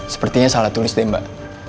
sepertinya salah tulis deh mbak